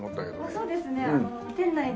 そうですね。